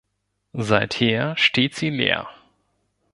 Seither steht sie leer.